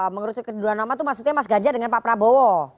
mengerucut kedua nama itu maksudnya mas ganjar dengan pak prabowo